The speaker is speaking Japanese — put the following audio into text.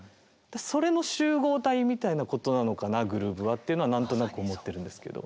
それの集合体みたいなことなのかなグルーヴはっていうのは何となく思ってるんですけど。